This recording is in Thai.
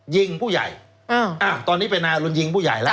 ยิงผู้ใหญ่อ้าวตอนนี้เป็นอารุณยิงผู้ใหญ่แล้ว